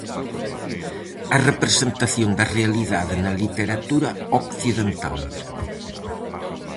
A representación da realidade na literatura occidental.